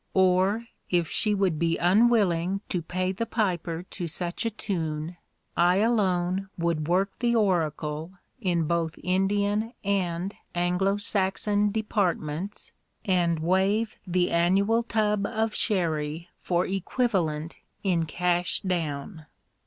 Or, if she would be unwilling to pay the piper to such a tune, I alone would work the oracle in both Indian and Anglo Saxon departments, and waive the annual tub of sherry for equivalent in cash down.